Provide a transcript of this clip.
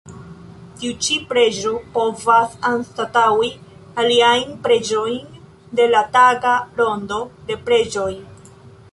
Tiu ĉi preĝo povas anstataŭi aliajn preĝojn de la taga rondo de preĝoj.